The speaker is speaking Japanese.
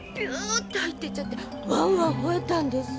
ッて入っていっちゃってワンワン吠えたんです。